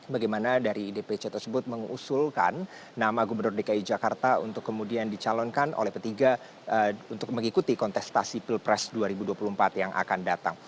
bagaimana dari dpc tersebut mengusulkan nama gubernur dki jakarta untuk kemudian dicalonkan oleh p tiga untuk mengikuti kontestasi pilpres dua ribu dua puluh empat yang akan datang